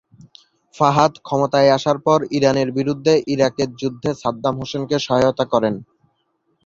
ফাহাদ ক্ষমতায় আসার পর ইরানের বিরুদ্ধে ইরাকের যুদ্ধে সাদ্দাম হোসেনকে সহায়তা করেন।